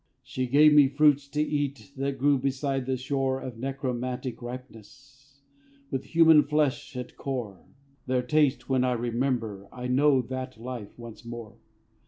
She gave me fruits to eat of That grew beside the shore, Of necromantic ripeness, With human flesh at core Their taste when I remember I know that life once more.